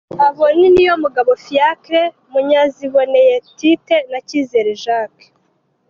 Abo ni Niyomugabo Fiacre, Munyaziboneye Tite na Cyizere Jacques.